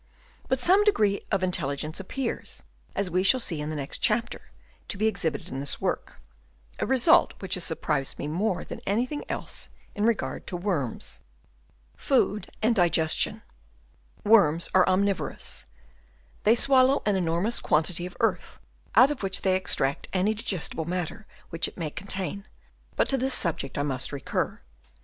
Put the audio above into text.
But some degree of in telligence appears, as we shall see in the next chapter, to be exhibited in this work, — a result which has surprised me more than anything else in regard to worms. Food and Digestion. — Worms are omnivo rous. They swallow an enormous quantity of earth, out of which they extract any diges tible matter which it may contain ; but to this subject I must recur.